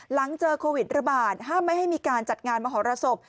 หลังเจอโควิดระบาดห้ามไม่ให้มีการจัดงานมหรสบ